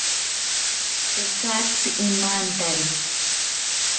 Tekatzi imantari